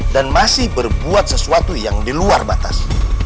dan masih berbuat sesuatu yang di luar batas